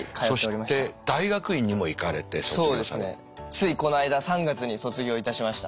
ついこの間３月に卒業いたしました。